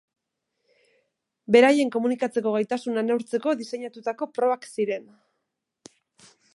Beraien komunikatzeko gaitasuna neurtzeko diseinatutako probak ziren.